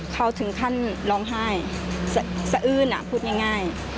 เขาถึงขั้นร้องไห้สะอื้นพูดง่าย